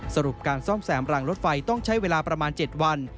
สรุปการซ่อมแซมรางรถไฟต้องใช้เวลาประมาณ๗วัน